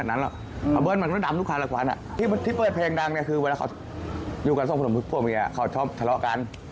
แล้วก็คือเราเปิดอะไร